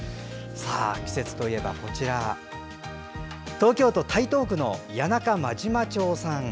季節といえばこちら東京都台東区、谷中真島町さん。